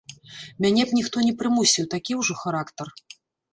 Мяне б ніхто не прымусіў, такі ўжо характар.